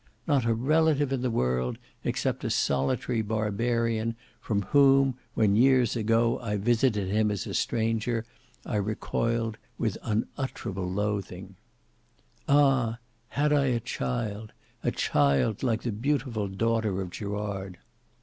Not a relative in the world, except a solitary barbarian, from whom when, years ago I visited him as a stranger I recoiled with unutterable loathing. "Ah! had I a child—a child like the beautiful daughter of Gerard!"